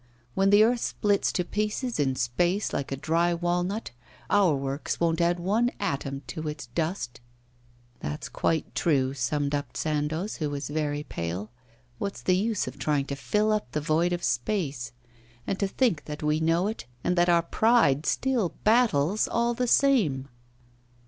When the earth splits to pieces in space like a dry walnut, our works won't add one atom to its dust.' 'That's quite true,' summed up Sandoz, who was very pale. 'What's the use of trying to fill up the void of space? And to think that we know it, and that our pride still battles all the same!